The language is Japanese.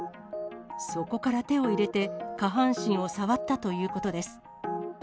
そこから手を入れて、下半身を触ったということです。